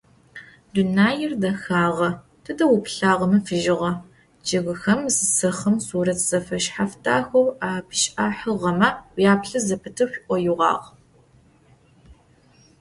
Дунаир дэхагъэ: тыдэ уплъагъэми фыжьыгъэ, чъыгхэм сэхъым сурэт зэфэшъхьаф дахэу апишӏахьыгъэмэ уяплъы зэпыты пшӏоигъуагъ.